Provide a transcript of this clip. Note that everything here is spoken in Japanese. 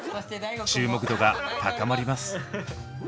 注目度が高まります。